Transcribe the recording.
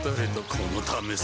このためさ